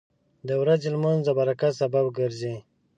• د ورځې لمونځ د برکت سبب ګرځي.